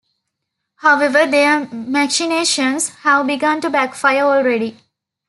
However, their machinations have begun to backfire already.